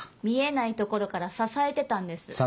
見えないところから支えてたんです。